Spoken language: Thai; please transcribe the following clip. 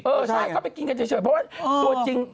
เออใช่เขาไปกินกันเฉยเพราะว่าตัวจริง